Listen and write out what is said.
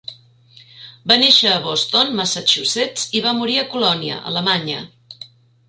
Va néixer a Boston, Massachusetts i va morir a Colònia, Alemanya.